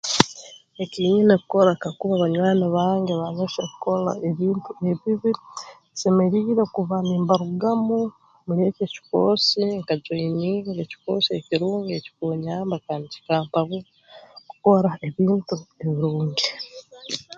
Eki nyina kukora kakuba banywani bange baanyohya kukora ebintu ebibi nsemeriire kuba nimbarugamu muli eki ekikoosi nka joyininga ekikoosi ekirungi ekikuunyamba kandi ekirampabura kukora ebintu ebirungi